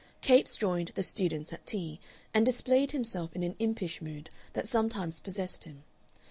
Capes joined the students at tea, and displayed himself in an impish mood that sometimes possessed him.